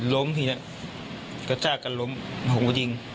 ล้มทีนั้นกระจากกันล้มผมก็ยิง